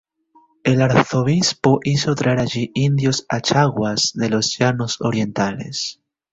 El arzobispo hizo traer allí indios Achaguas de los llanos orientales.